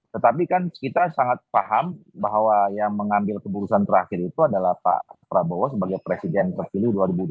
tetapi kan kita sangat paham bahwa yang mengambil keputusan terakhir itu adalah pak prabowo sebagai presiden kecil dua ribu dua puluh empat dua ribu dua puluh sembilan